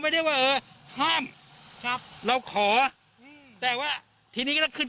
ได้ว่าเออห้ามครับเราขออืมแต่ว่าทีนี้ก็ต้องขึ้น